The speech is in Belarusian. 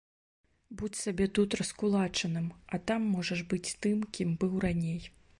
Будзь сабе тут раскулачаным, а там можаш быць тым, кім быў раней.